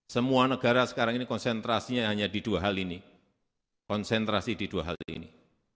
semua negara sekarang ini konsentrasinya hanya di dua hal ini konsentrasi di dua hal ini